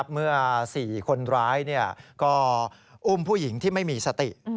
เมื่อ๔คนร้ายก็อุ้มผู้หญิงที่ไม่มีสติ